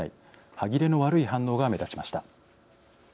歯切れの悪い反応が目立ちました。